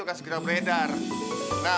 aku mau ke dekat wart